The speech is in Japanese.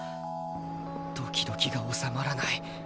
ドキドキが収まらない